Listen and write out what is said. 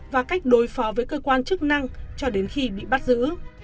và cách đối phó với cơ quan chức năng cho đến khi bị bắt giữ